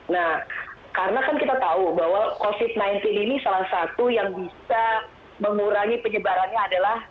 nah karena kan kita tahu bahwa covid sembilan belas ini salah satu yang bisa mengurangi penyebarannya adalah